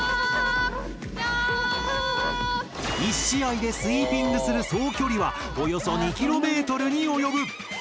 １試合でスイーピングする総距離はおよそ２ｋｍに及ぶ。